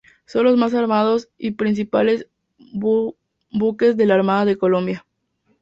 Son los más armados y principales buques de la Armada de Colombia.